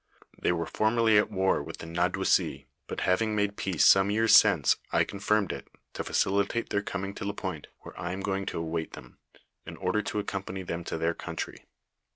They were formerly at war with the Nadouessi, but having made peace some yearft since, I confirmed it, to facili tate their coming to Lapointe, where I am going to await them, in order to accompany them to their country.